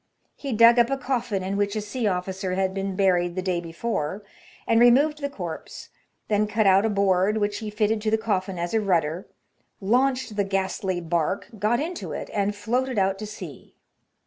He dug up a coffin in which a sea officer had been buried the day before, and removed the corpse, then cut out a board, which he fitted to the coffin as a rudder, launched the ghastly bark, got into it, and floated out to sea.